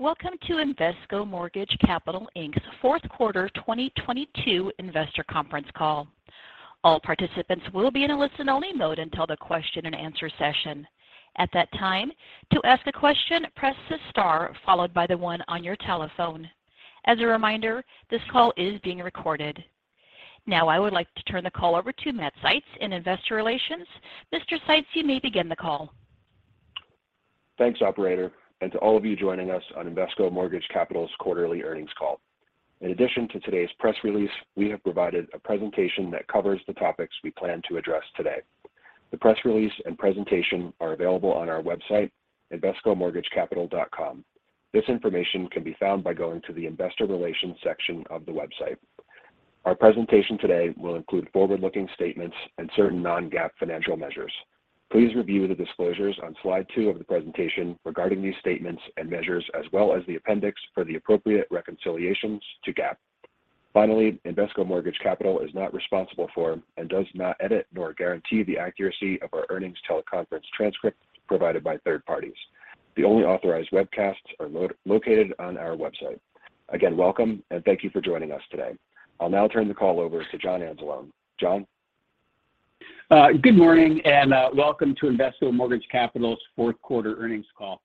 Welcome to Invesco Mortgage Capital Inc.'s 4th quarter 2022 investor conference call. All participants will be in a listen-only mode until the question and answer session. At that time, to ask a question, press the star followed by the 1 on your telephone. As a reminder, this call is being recorded. Now I would like to turn the call over to Matt Seitz in Investor Relations. Mr. Seitz, you may begin the call. Thanks, operator, and to all of you joining us on Invesco Mortgage Capital's quarterly earnings call. In addition to today's press release, we have provided a presentation that covers the topics we plan to address today. The press release and presentation are available on our website, invescomortgagecapital.com. This information can be found by going to the Investor Relations section of the website. Our presentation today will include forward-looking statements and certain non-GAAP financial measures. Please review the disclosures on slide 2 of the presentation regarding these statements and measures as well as the appendix for the appropriate reconciliations to GAAP. Finally, Invesco Mortgage Capital is not responsible for and does not edit nor guarantee the accuracy of our earnings teleconference transcript provided by third parties. The only authorized webcasts are located on our website. Again, welcome, and thank you for joining us today. I'll now turn the call over to John Anzalone. John? Good morning, welcome to Invesco Mortgage Capital's fourth quarter earnings call.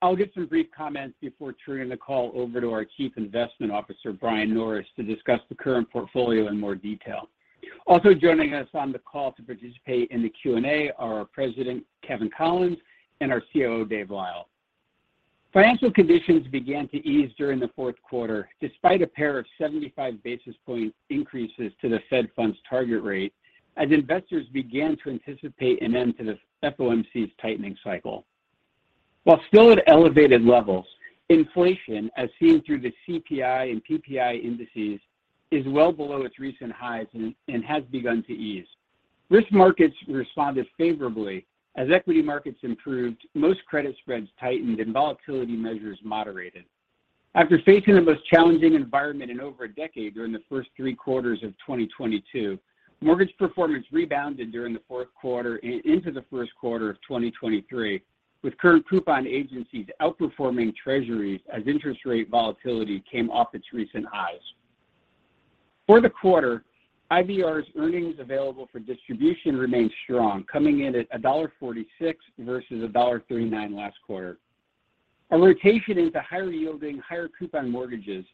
I'll give some brief comments before turning the call over to our Chief Investment Officer, Brian Norris, to discuss the current portfolio in more detail. Also joining us on the call to participate in the Q&A are our President, Kevin Collins, and our COO, David Lyle. Financial conditions began to ease during the fourth quarter despite a pair of 75 basis point increases to the Fed funds target rate as investors began to anticipate an end to the FOMC's tightening cycle. While still at elevated levels, inflation, as seen through the CPI and PPI indices, is well below its recent highs and has begun to ease. Risk markets responded favorably. As equity markets improved, most credit spreads tightened and volatility measures moderated. After facing the most challenging environment in over a decade during the first three quarters of 2022, mortgage performance rebounded during the fourth quarter into the first quarter of 2023, with current coupon agencies outperforming Treasuries as interest rate volatility came off its recent highs. For the quarter, IVR's earnings available for distribution remained strong, coming in at $1.46 versus $1.39 last quarter. A rotation into higher-yielding, higher-coupon mortgages,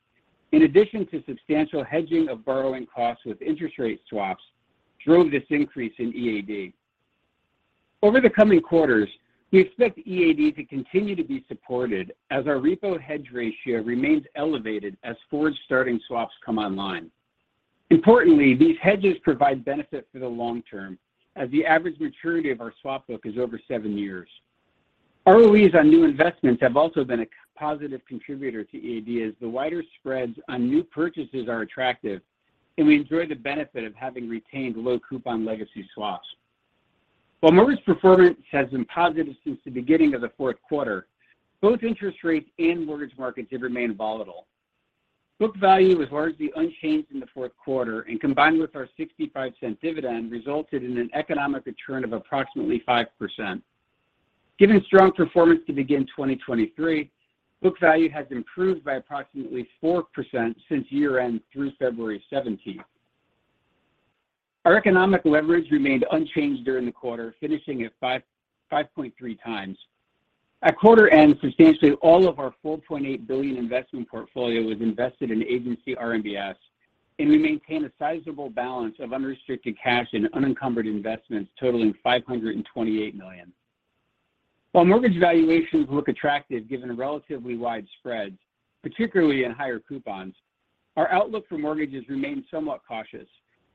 in addition to substantial hedging of borrowing costs with interest rate swaps, drove this increase in EAD. Over the coming quarters, we expect EAD to continue to be supported as our repo hedge ratio remains elevated as forward starting swaps come online. Importantly, these hedges provide benefit for the long term as the average maturity of our swap book is over 7 years. ROE on new investments have also been positive contributor to EAD as the wider spreads on new purchases are attractive, and we enjoy the benefit of having retained low coupon legacy swaps. While mortgage performance has been positive since the beginning of the fourth quarter, both interest rates and mortgage markets have remained volatile. Book value was largely unchanged in the fourth quarter, and combined with our $0.65 dividend, resulted in an economic return of approximately 5%. Given strong performance to begin 2023, book value has improved by approximately 4% since year-end through February 17th. Our economic leverage remained unchanged during the quarter, finishing at 5.3 times. At quarter end, substantially all of our $4.8 billion investment portfolio was invested in Agency RMBS, and we maintain a sizable balance of unrestricted cash and unencumbered investments totaling $528 million. While mortgage valuations look attractive given relatively wide spreads, particularly in higher coupons, our outlook for mortgages remains somewhat cautious.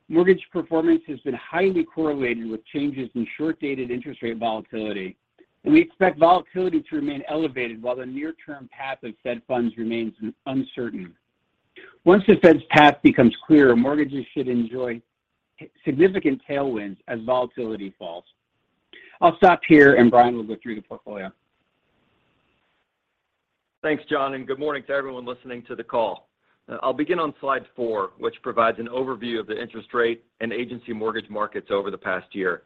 Mortgage performance has been highly correlated with changes in short-dated interest rate volatility, and we expect volatility to remain elevated while the near-term path of Fed funds remains uncertain. Once the Fed's path becomes clearer, mortgages should enjoy significant tailwinds as volatility falls. I'll stop here, and Brian will go through the portfolio. Thanks, John, and good morning to everyone listening to the call. I'll begin on slide four, which provides an overview of the interest rate and Agency mortgage markets over the past year.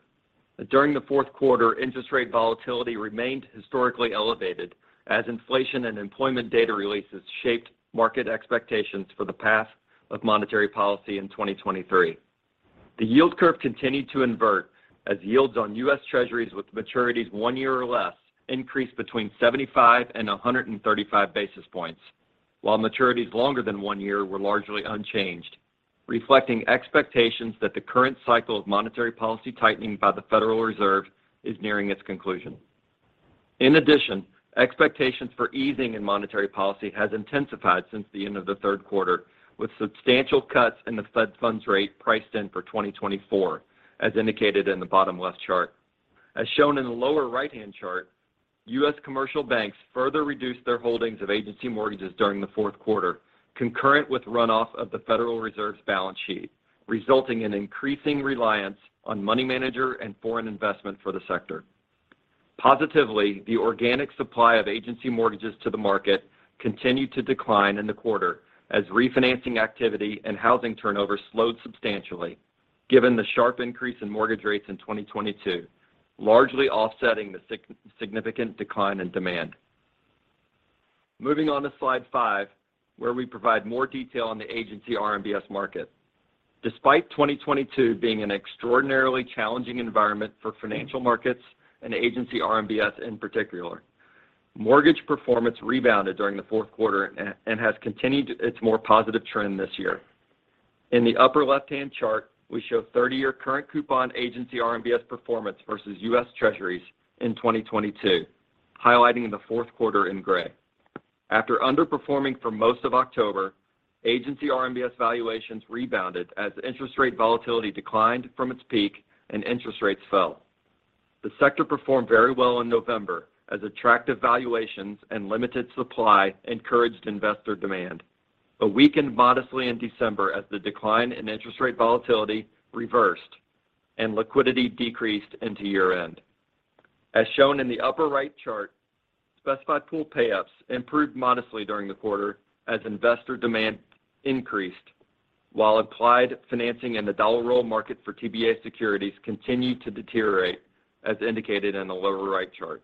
During the fourth quarter, interest rate volatility remained historically elevated as inflation and employment data releases shaped market expectations for the path of monetary policy in 2023. The yield curve continued to invert as yields on U.S. Treasuries with maturities one year or less increased between 75 and 135 basis points, while maturities longer than one year were largely unchanged, reflecting expectations that the current cycle of monetary policy tightening by the Federal Reserve is nearing its conclusion. In addition, expectations for easing in monetary policy has intensified since the end of the third quarter, with substantial cuts in the Fed funds rate priced in for 2024, as indicated in the bottom left chart. As shown in the lower right-hand chart, U.S. commercial banks further reduced their holdings of Agency mortgages during the fourth quarter, concurrent with runoff of the Federal Reserve's balance sheet, resulting in increasing reliance on money manager and foreign investment for the sector. Positively, the organic supply of Agency mortgages to the market continued to decline in the quarter as refinancing activity and housing turnover slowed substantially given the sharp increase in mortgage rates in 2022. Largely offsetting the significant decline in demand. Moving on to slide 5, where we provide more detail on the Agency RMBS market. Despite 2022 being an extraordinarily challenging environment for financial markets and Agency RMBS in particular, mortgage performance rebounded during the fourth quarter and has continued its more positive trend this year. In the upper left-hand chart, we show 30-year current coupon Agency RMBS performance versus U.S. Treasuries in 2022, highlighting the fourth quarter in gray. After underperforming for most of October, Agency RMBS valuations rebounded as interest rate volatility declined from its peak and interest rates fell. The sector performed very well in November as attractive valuations and limited supply encouraged investor demand, but weakened modestly in December as the decline in interest rate volatility reversed and liquidity decreased into year-end. As shown in the upper right chart, specified pool payoffs improved modestly during the quarter as investor demand increased, while implied financing in the dollar roll market for TBA securities continued to deteriorate as indicated in the Lower-right chart.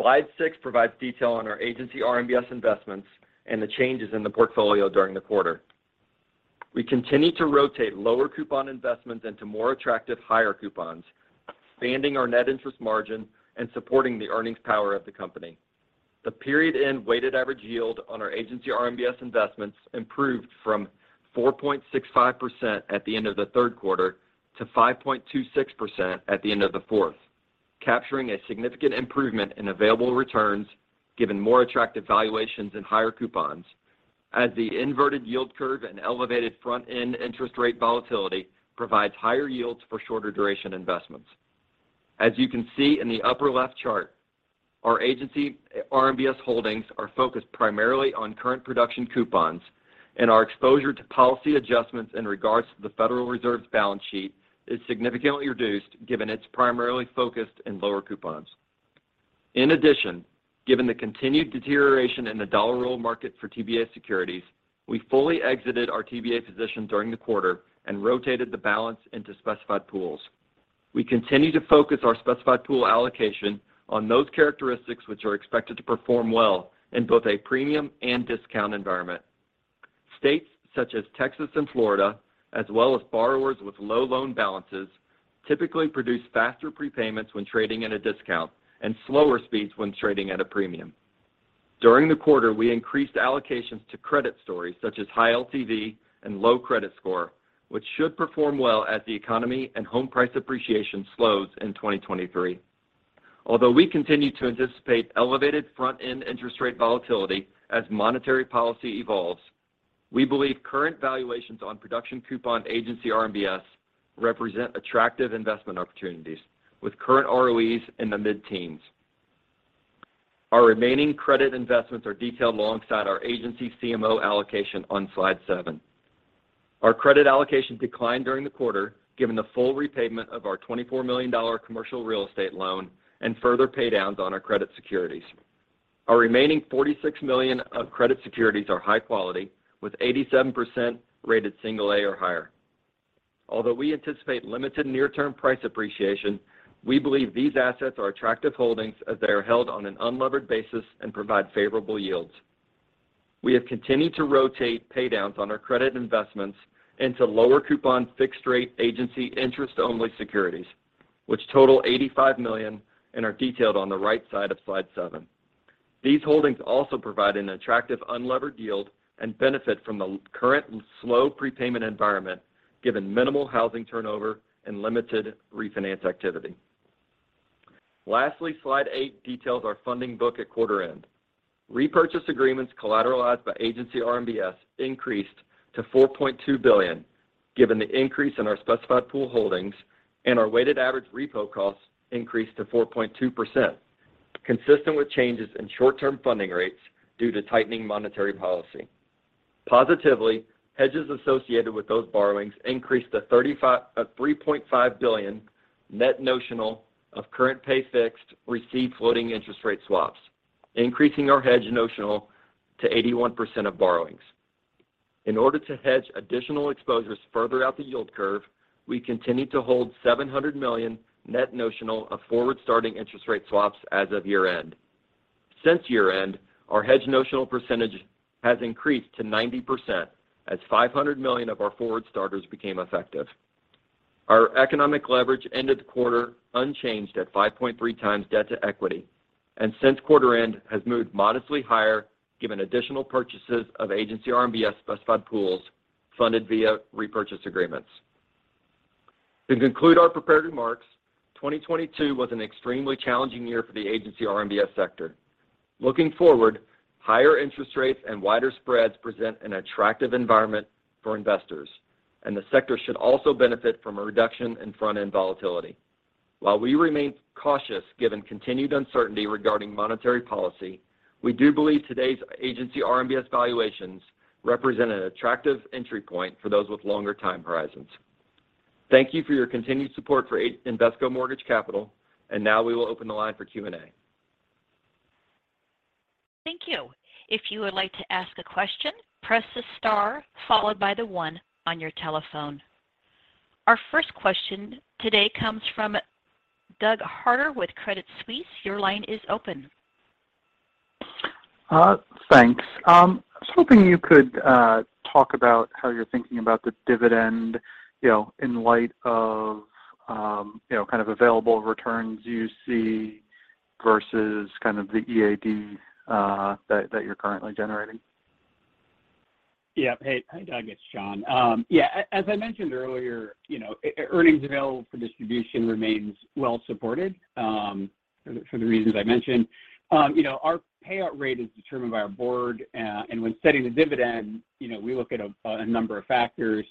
Slide 6 provides detail on our Agency RMBS investments and the changes in the portfolio during the quarter. We continue to rotate lower coupon investments into more attractive higher coupons, expanding our net interest margin and supporting the earnings power of the company. The period-end weighted average yield on our Agency RMBS investments improved from 4.65% at the end of the third quarter to 5.26% at the end of the fourth, capturing a significant improvement in available returns given more attractive valuations and higher coupons as the inverted yield curve and elevated front-end interest rate volatility provides higher yields for shorter duration investments. You can see in the Upper-left chart, our Agency RMBS holdings are focused primarily on current production coupons and our exposure to policy adjustments in regards to the Federal Reserve's balance sheet is significantly reduced given it's primarily focused in lower coupons. Given the continued deterioration in the dollar roll market for TBA securities, we fully exited our TBA position during the quarter and rotated the balance into specified pools. We continue to focus our specified pool allocation on those characteristics which are expected to perform well in both a premium and discount environment. States such as Texas and Florida, as well as borrowers with low loan balances typically produce faster prepayments when trading at a discount and slower speeds when trading at a premium. During the quarter, we increased allocations to credit stories such as high LTV and low credit score, which should perform well as the economy and home price appreciation slows in 2023. Although we continue to anticipate elevated front-end interest rate volatility as monetary policy evolves, we believe current valuations on production coupon Agency RMBS represent attractive investment opportunities with current ROE in the mid-teens. Our remaining credit investments are detailed alongside our Agency CMO allocation on slide 7. Our credit allocation declined during the quarter given the full repayment of our $24 million commercial real estate loan and further paydowns on our credit securities. Our remaining $46 million of credit securities are high quality, with 87% rated single A or higher. Although we anticipate limited near-term price appreciation, we believe these assets are attractive holdings as they are held on an unlevered basis and provide favorable yields. We have continued to rotate paydowns on our credit investments into lower coupon fixed-rate Agency interest-only securities, which total $85 million and are detailed on the right side of slide seven. These holdings also provide an attractive unlevered yield and benefit from the current slow prepayment environment given minimal housing turnover and limited refinance activity. Lastly, slide eight details our funding book at quarter end. Repurchase agreements collateralized by Agency RMBS increased to $4.2 billion given the increase in our specified pool holdings and our weighted average repo costs increased to 4.2%, consistent with changes in short-term funding rates due to tightening monetary policy. Positively, hedges associated with those borrowings increased to $3.5 billion net notional of current pay fixed receive floating interest rate swaps, increasing our hedge notional to 81% of borrowings. In order to hedge additional exposures further out the yield curve, we continued to hold $700 million net notional of forward-starting interest rate swaps as of year-end. Since year-end, our hedge notional percentage has increased to 90% as $500 million of our forward starters became effective. Our economic leverage ended the quarter unchanged at 5.3 times debt to equity. Since quarter end has moved modestly higher given additional purchases of Agency RMBS specified pools funded via repurchase agreements. To conclude our prepared remarks, 2022 was an extremely challenging year for the Agency RMBS sector. Looking forward, higher interest rates and wider spreads present an attractive environment for investors. The sector should also benefit from a reduction in front-end volatility. While we remain cautious given continued uncertainty regarding monetary policy, we do believe today's Agency RMBS valuations represent an attractive entry point for those with longer time horizons. Thank you for your continued support for Invesco Mortgage Capital. Now we will open the line for Q&A. Thank you. If you would like to ask a question, press the star followed by the one on your telephone. Our first question today comes from Doug Harter with Credit Suisse. Your line is open. Thanks. I was hoping you could talk about how you're thinking about the dividend in light of available returns you see versus the EAD that you're currently generating? Yeah. Hey, Doug, this is John. Yeah. As I mentioned earlier, earnings available for distribution remains well supported, for the reasons I mentioned. Our payout rate is determined by our Board, and when setting the dividend, we look at a number of factors.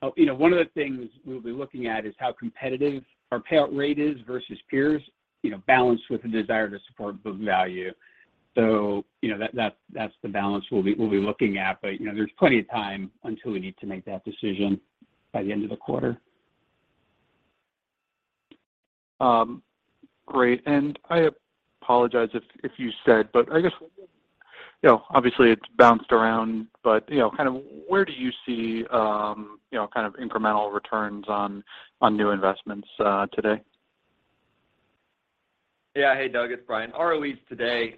One of the things we'll be looking at is how competitive our payout rate is versus peers balanced with the desire to support book value. That's the balance we'll be looking at. There's plenty of time until we need to make that decision by the end of the quarter. Great. I apologize if you said, but obviously it's bounced around, but where do you see incremental returns on new investments, today? Yeah. Hey, Doug, it's Brian. Our yields today,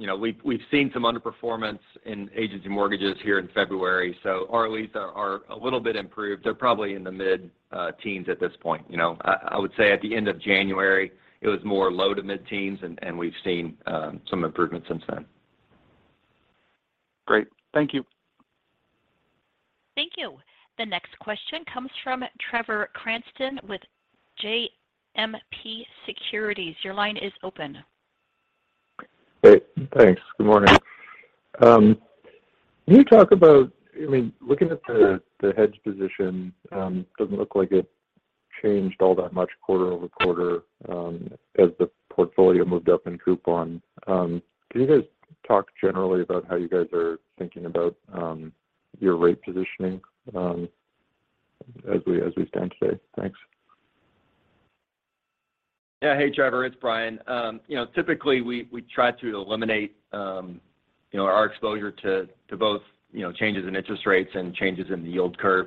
we've seen some underperformance in Agency mortgages here in February, so our leads are a little bit improved. They're probably in the mid-teens at this point. I would say at the end of January it was more low to mid-teens and we've seen some improvement since then. Great. Thank you. Thank you. The next question comes from Trevor Cranston with JMP Securities. Your line is open. Great. Thanks. Good morning. We talk about, looking at the hedge position, doesn't look like it changed all that much quarter-over-quarter, as the portfolio moved up in coupon. Can you guys talk generally about how you guys are thinking about your rate positioning, as we stand today? Thanks. Yeah. Hey, Trevor, it's Brian. Typically we try to eliminate our exposure to both changes in interest rates and changes in the yield curve.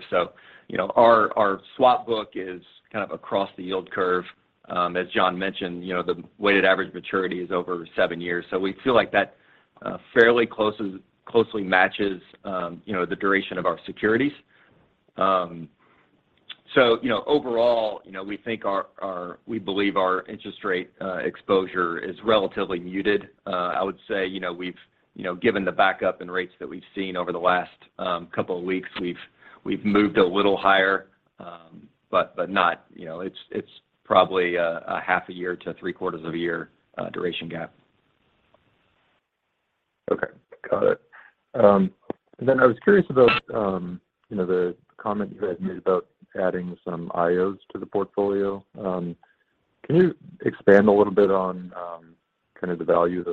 Our swap book is across the yield curve. As John mentioned the weighted average maturity is over 7 years. We feel like that closely matches the duration of our securities. Overall, we believe our interest rate exposure is relatively muted. I would say we've given the backup in rates that we've seen over the last couple of weeks, we've moved a little higher. Not, it's probably a half a year to three quarters of a year duration gap. Okay. Got it. I was curious about the comment you had made about adding some IOs to the portfolio. Can you expand a little bit on the value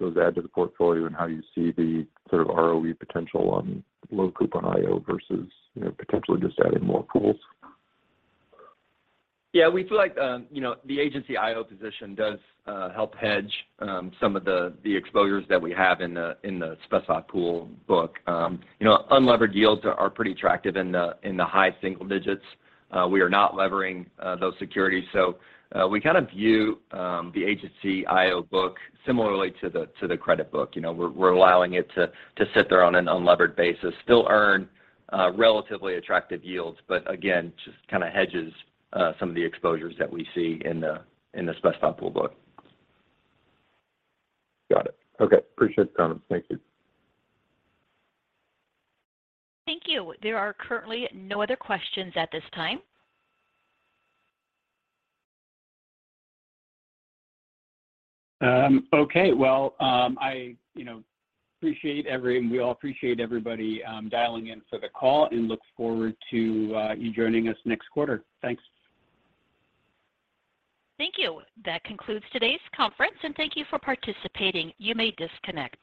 those add to the portfolio and how you see the ROE potential on low coupon IO versus potentially just adding more pools? We feel like, the Agency IO position does help hedge some of the exposures that we have in the specified pools book. Unlevered yields are pretty attractive in the high single digits. We are not levering those securities. We view the Agency IO book similarly to the credit book. We're allowing it to sit there on an unlevered basis, still earn relatively attractive yields, but again, just hedges some of the exposures that we see in the specified pools book. Got it. Okay. Appreciate the comments. Thank you. Thank you. There are currently no other questions at this time. Okay. We appreciate everybody, dialing in for the call and look forward to, you joining us next quarter. Thanks. Thank you. That concludes today's conference. Thank you for participating. You may disconnect.